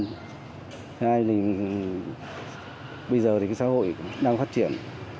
hai là bây giờ thì xã hội đang phát triển